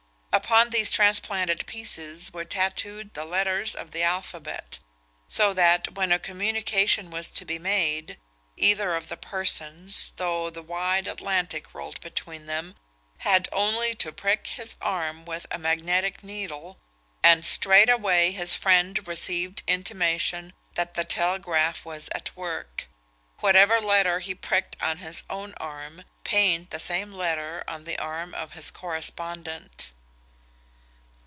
Upon these transplanted pieces were tatooed the letters of the alphabet; so that, when a communication was to be made, either of the persons, though the wide Atlantic rolled between them, had only to prick his arm with a magnetic needle, and straightway his friend received intimation that the telegraph was at work. Whatever letter he pricked on his own arm pained the same letter on the arm of his correspondent.